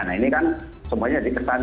nah ini kan semuanya dikesan